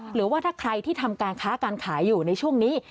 หรือว่าถ้าใครที่ทำการค้าการขายอยู่ในช่วงนี้